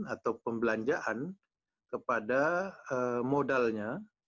atau pembelanjaan kepada modalnya